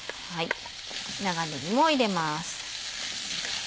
長ねぎも入れます。